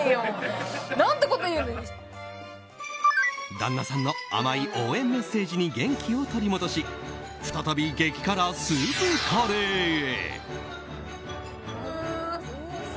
旦那さんの甘い応援メッセージに元気を取り戻し再び激辛スープカレーへ。